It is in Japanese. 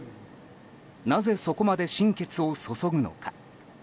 なぜ、そこまで心血を注ぐのか。